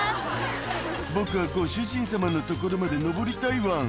「僕はご主人様の所まで上りたいワン」